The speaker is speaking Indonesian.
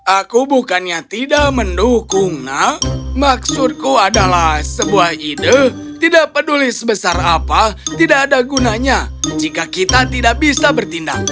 aku bukannya tidak mendukung nak maksudku adalah sebuah ide tidak peduli sebesar apa tidak ada gunanya jika kita tidak bisa bertindak